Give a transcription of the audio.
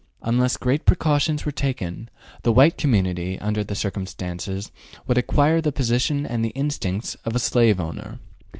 Unless great precautions were taken the white community, under the circumstances, would acquire the position and the instincts of a slave owner.